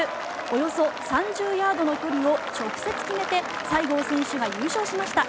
およそ３０ヤードの距離を直接決めて西郷選手が優勝しました。